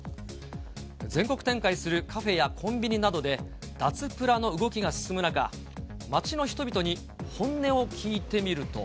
全国展開するカフェやコンビニなどで脱プラの動きが進む中、街の人々に本音を聞いてみると。